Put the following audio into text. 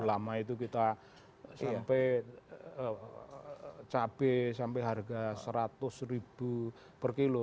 lama itu kita sampai cabai sampai harga seratus ribu per kilo